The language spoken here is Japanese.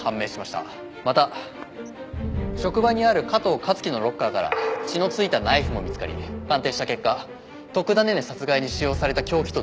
また職場にある加藤香月のロッカーから血の付いたナイフも見つかり鑑定した結果徳田寧々殺害に使用された凶器と断定。